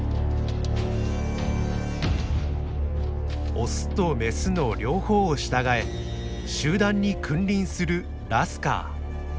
オスとメスの両方を従え集団に君臨するラスカー。